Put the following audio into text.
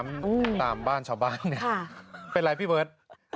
ตามบ้านชาวบ้านเนี่ยเป็นไรพี่เบิร์ต